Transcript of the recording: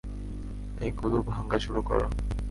এগুলো ভাঙা শুরু কর।